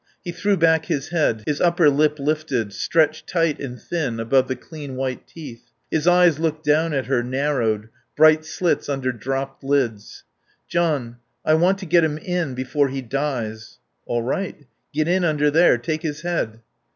He threw back his head; his upper lip lifted, stretched tight and thin above the clean white teeth. His eyes looked down at her, narrowed, bright slits under dropped lids. "John I want to get him in before he dies." "All right. Get in under there. Take his head."